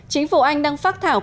chính phủ anh đang phát thảo